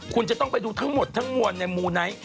คุณจะต้องไปดูทั้งหมดทั้งมวลในมูไนท์